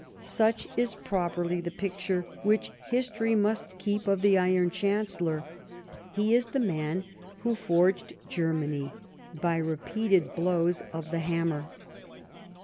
Such is properly the picture which history must keep of the Iron Chancellor : he is the man who forged Germany by repeated blows of the hammer.